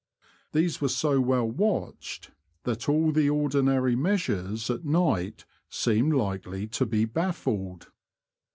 These were so well watched that all the ordinary measures at night seemed likely to be baffled.